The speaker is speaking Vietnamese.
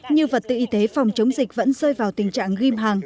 như vật tự y tế phòng chống dịch vẫn rơi vào tình trạng ghim hàng